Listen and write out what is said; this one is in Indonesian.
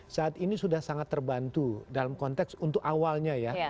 saat ini sudah sangat terbantu dalam konteks untuk awalnya ya